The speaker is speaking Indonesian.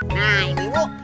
nah ini ibu